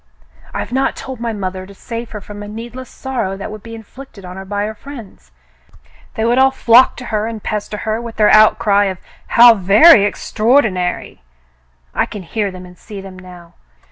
I've not told my mother, to save her from a need less sorrow that would be inflicted on her by her friends. They would all flock to her and pester her with their 222 The Mountain Girl outcry of * How very extraordinary !' I can hear them and see them now.